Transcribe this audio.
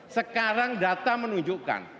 sekarang data menunjukkan